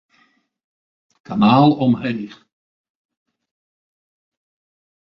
Kanaal omheech.